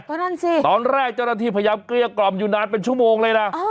ก็นั่นสิตอนแรกเจ้าหน้าที่พยายามเกลี้ยกล่อมอยู่นานเป็นชั่วโมงเลยนะ